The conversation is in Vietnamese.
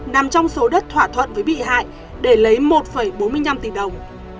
nằm trong số đất thỏa thuận với bị hại để lấy một bốn mươi năm tỷ đồng